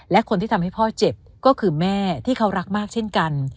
และคนที่ทำให้พ่อเจ็บก็คือแม่ที่เขารักมากเช่นกัน